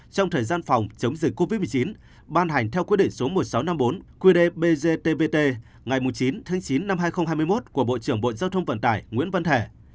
trong thời gian phòng chống dịch covid một mươi chín ban hành theo quy định số một nghìn sáu trăm năm mươi bốn quy đề bgtvt ngày chín chín hai nghìn hai mươi một của bộ trưởng bộ giao thông vận tải nguyễn văn thể